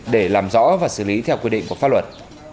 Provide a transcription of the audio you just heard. để làm rõ và xử lý theo quy định của pháp luật